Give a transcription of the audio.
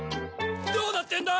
どうなってんだ！？